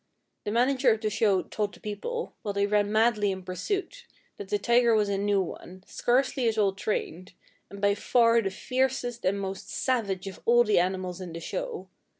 The manager of the show told the people, while they ran madly in pursuit, that the tiger was a new one, scarcely at all trained, and by far the fiercest and most savage of all the animals in the show.